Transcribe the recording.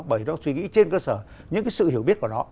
bởi đó suy nghĩ trên cơ sở những cái sự hiểu biết của nó